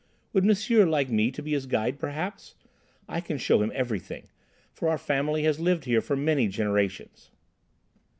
Would M'sieur like me to be his guide, perhaps? I can show him everything, for our family has lived here for many generations."